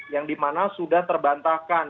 yang dimana sudah terbantahkan